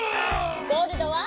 ゴールドは？